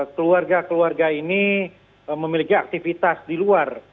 keluarga keluarga ini memiliki aktivitas di luar